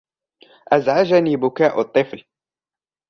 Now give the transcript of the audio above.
أزعجني بكاء الطفل.